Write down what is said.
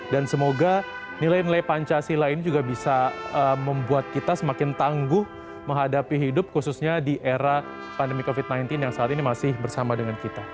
dan semoga nilai nilai pancasila ini juga bisa membuat kita semakin tangguh menghadapi hidup khususnya di era pandemi covid sembilan belas yang saat ini masih bersama dengan kita